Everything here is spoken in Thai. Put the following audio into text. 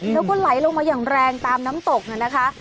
แล้วก็ไหลลงมาอย่างแรงตามน้ำตกนะคะ